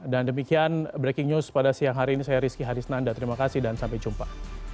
dan demikian breaking news pada siang hari ini saya rizky harisnanda terima kasih dan sampai jumpa